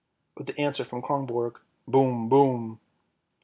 " with the answer from Kronborg, " boom, boom."